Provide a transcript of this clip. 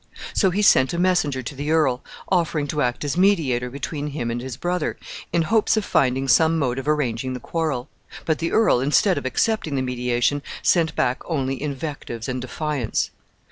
So he sent a messenger to the earl, offering to act as mediator between him and his brother, in hopes of finding some mode of arranging the quarrel; but the earl, instead of accepting the mediation, sent back only invectives and defiance.